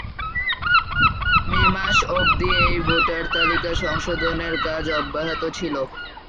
মে মাস অব্দি এই ভোটার তালিকা সংশোধনের কাজ অব্যাহত ছিল।